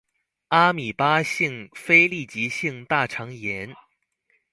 阿米巴性非痢疾性大腸炎